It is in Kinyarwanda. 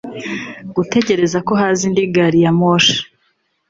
gutegereza ko haza indi gari ya moshi